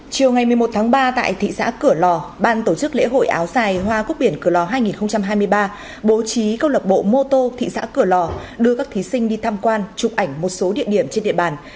chiều ngày một mươi một tháng ba tại thị xã cửa lò ban tổ chức lễ hội áo dài hoa quốc biển cửa lò hai nghìn hai mươi ba bố trí câu lạc bộ mô tô thị xã cửa lò đưa các thí sinh đi tham quan chụp ảnh một số địa điểm trên địa bàn